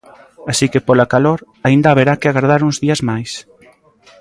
Así que pola calor, aínda haberá que agardar uns días máis.